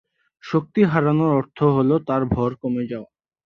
শক্তি হারানোর অর্থ হল তার ভর কমে যাওয়া।